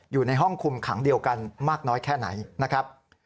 อยู่ในห้องคุมขังเดียวกันมากน้อยแค่ไหนนะครับ